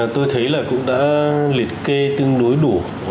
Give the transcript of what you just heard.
tôi thấy là cũng đã liệt kê tương đối đủ